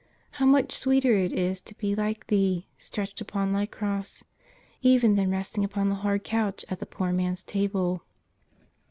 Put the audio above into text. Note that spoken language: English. How much sweeter it is to be like Thee, stretched upon Thy Cross, even than resting upon the hard couch at the poor man's table